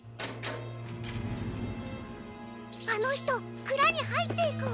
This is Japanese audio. あのひとくらにはいっていくわ。